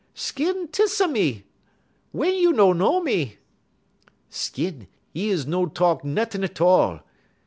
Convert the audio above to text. Skin, 'tiss a me! wey you no know me?' "Skin, 'e no talk nuttin' 'tall.